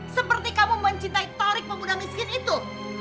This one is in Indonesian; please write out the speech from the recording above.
seperti kamu mencintai tarik pemuda miskin itu